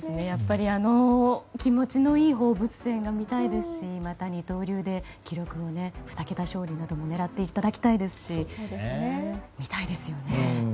あの気持ちのいい放物線が見たいですしまた、二刀流で記録も２桁勝利なども狙っていただきたいですし見たいですよね。